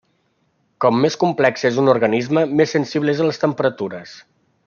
Com més complex és un organisme, més sensible és a les temperatures.